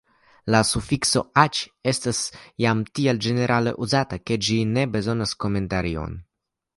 La sufikso _aĉ_ estas jam tiel ĝenerale uzata, ke ĝi ne bezonas komentarion.